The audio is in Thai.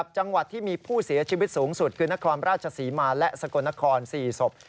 จังหวัดที่มีผู้เสียชีวิตสูงสุดคือนครราชศรีมาและสกลนคร๔ศพ